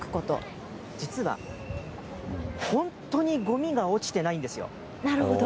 実は、本当にごみが落ちてななるほど。